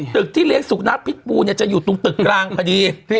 ตึกที่เลี้ยงสุขนัสพริกปูเนี่ยจะอยู่ตรงตึกข้างพอดี